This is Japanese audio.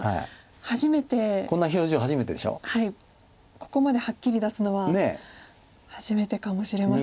ここまではっきり出すのは初めてかもしれません。